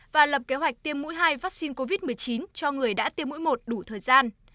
và lập kế hoạch tiêm mũi hai vaccine covid một mươi chín cho người đã tiêm mũi một đủ thời gian